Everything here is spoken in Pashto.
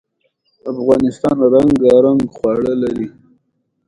زمرد د افغانستان د صادراتو برخه ده.